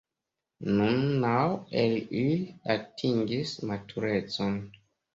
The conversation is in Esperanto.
Nun naŭ el ili atingis maturecon.